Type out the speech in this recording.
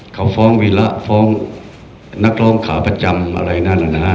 เขาฟ้องวีระฟ้องนักร้องขาประจำอะไรนั้นนะฮะ